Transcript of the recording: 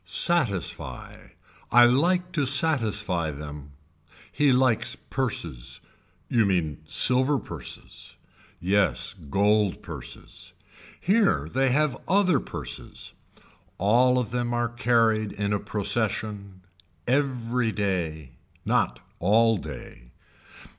Satisfy. I like to satisfy them. He likes purses. You mean silver purses. Yes gold purses. Here they have other purses. All of them are carried in a procession. Every day. Not all day.